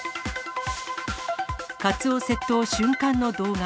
カツオ窃盗瞬間の動画。